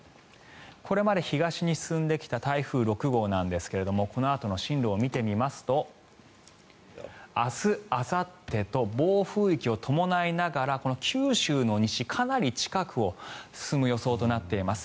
これまで東に進んできた台風６号なんですがこのあとの進路を見てみますと明日あさってと暴風域を伴いながら九州の西かなり近くを進む予想となっています。